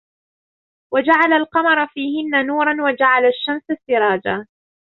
وَجَعَلَ القَمَرَ فيهِنَّ نورًا وَجَعَلَ الشَّمسَ سِراجًا